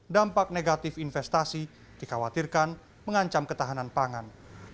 dampak negatif investasi dikhawatirkan mengancam ketahanan pangan